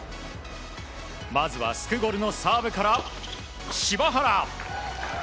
まずはスクゴルのサーブから柴原！